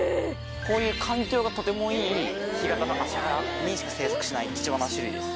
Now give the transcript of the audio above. こういう環境がとてもいい干潟と葦原にしか生息しない貴重な種類です。